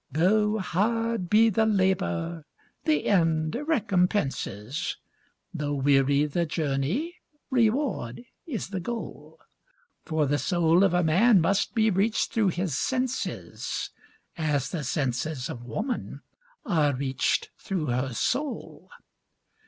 Though hard be the labour, the end recompenses Though weary the journey, reward is the goal. For the soul of a man must be reached through his senses, As the senses of woman are reached through her soul.